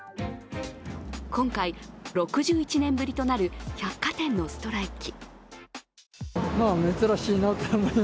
今回、６１年ぶりとなる百貨店のストライキ。